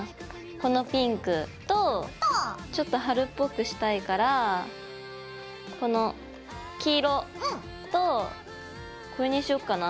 このピンクとちょっと春っぽくしたいからこの黄色とこれにしよっかな？